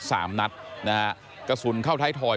สามนัดนะฮะกระสุนเข้าท้ายถอย